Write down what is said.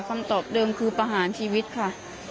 คำตอบเดิมคือประหารชีวิตค่ะ